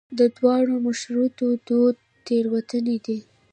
د دواړو مشروطیه دورو تېروتنې دي.